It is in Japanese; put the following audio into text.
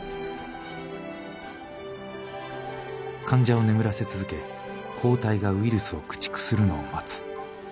患者を眠らせ続け抗体がウイルスを駆逐するのを待つ。